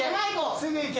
・すぐ行け！